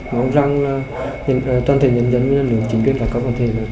nói rằng toàn thể nhân dân nếu chính quyền tạo có thể